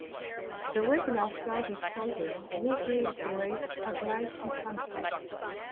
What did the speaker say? The regular-service soldiers usually operate as light infantry.